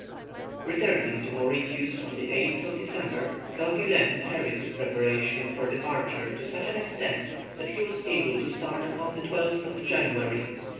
Returning to Mauritius on the 8th of December, Kerguelen hurried his preparations for departure to such an extent that he was able to start upon the 12th of January, 1772.